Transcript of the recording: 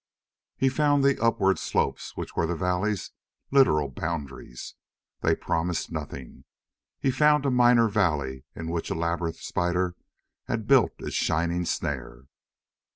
He found the upward slopes which were the valley's literal boundaries. They promised nothing. He found a minor valley in which a labyrinth spider had built its shining snare.